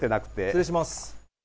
失礼します。